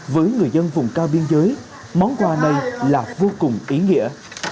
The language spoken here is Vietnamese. với người dân vùng cao biên giới món quà này là vô cùng ý nghĩa